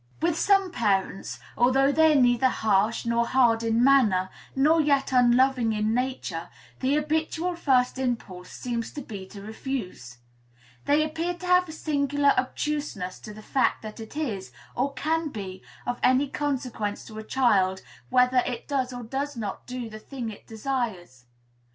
With some parents, although they are neither harsh nor hard in manner, nor yet unloving in nature, the habitual first impulse seems to be to refuse: they appear to have a singular obtuseness to the fact that it is, or can be, of any consequence to a child whether it does or does not do the thing it desires.